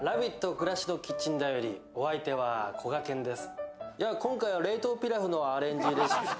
暮らしのキッチンだよりお相手はこがけんです。